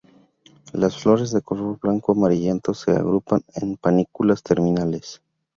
Las flores de color blanco amarillento se agrupan en panículas terminales.